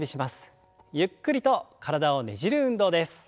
ゆっくりと体をねじる運動です。